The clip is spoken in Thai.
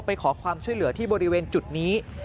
ไปขอความช่วยเหลือที่บริเวณจุดนี้